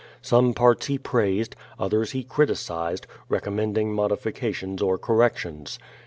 Some parts he praised, others he criticised, recommending modifications or correc tions.